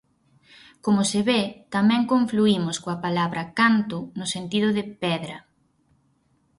Como se ve, tamén confluímos coa palabra canto no sentido de 'pedra'.